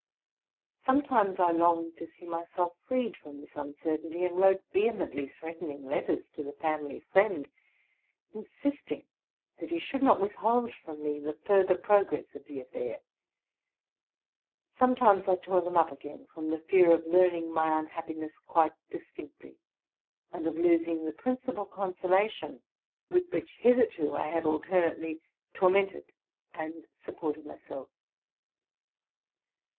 Sometimes I longed to see myself freed from this uncertainty, and wrote vehemently threaten ing letters to the family friend, insisting that he should not 178 TRUTH AND FICTION withhold from me the further progress of the affair. Some times I tore them up again, from the fear of learning my unhappiness quite distinctly, and of losing the principal con solation with which hitherto I had alternately tormented and supported myself.